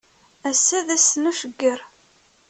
Ass-a d ass n ucegger.